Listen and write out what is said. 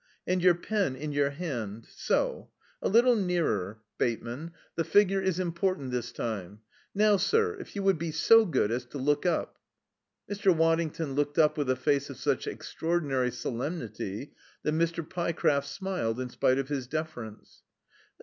And your pen in your hand, so.... A little nearer, Bateman. The figure is important this time.... Now, sir, if you would be so good as to look up." Mr. Waddington looked up with a face of such extraordinary solemnity that Mr. Pyecraft smiled in spite of his deference.